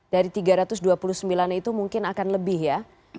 dari tiga ratus dua puluh sembilan itu mungkin akan lebih ya